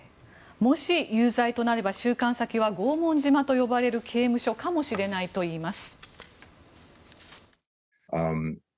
もし有罪となれば収監先は拷問島と呼ばれる刑務所かもしれないといいます。